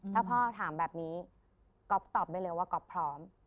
ถ้าพ่อถามแบบนี้ก๊อฟตอบได้เลยว่าก๊อฟพร้อม